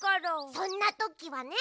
そんなときはね。